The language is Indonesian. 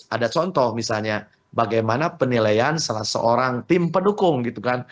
ada contoh misalnya bagaimana penilaian salah seorang tim pendukung gitu kan